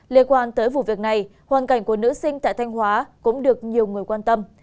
liên quan tới vụ việc này hoàn cảnh của nữ sinh tại thanh hóa cũng được nhiều người quan tâm